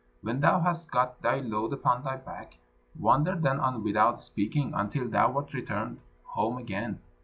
When thou hast got thy load upon thy back, wander then on without speaking, until thou art returned home again.